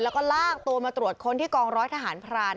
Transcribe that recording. แล้วก็ลากตัวมาตรวจค้นที่กองร้อยทหารพราน